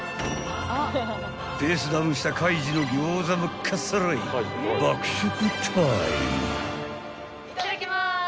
［ペースダウンしたカイジの餃子もかっさらい爆食タイム］